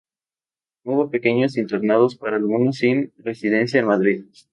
Hubo pequeños internados para alumnos sin residencia en Madrid.